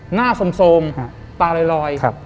หน้าสมตาลอย